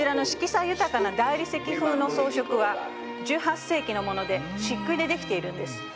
色彩豊かな大理石風の装飾は１８世紀のものでしっくいでできているんです。